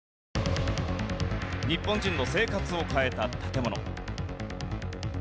日本人の生活を変えた建物。